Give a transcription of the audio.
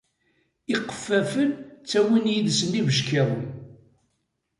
Iqeffafen ttawin yid-sen ibeckiḍen